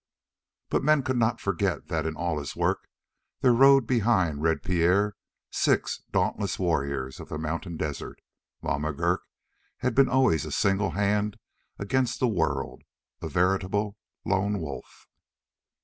But men could not forget that in all his work there rode behind Red Pierre six dauntless warriors of the mountain desert, while McGurk had been always a single hand against the world, a veritable lone wolf.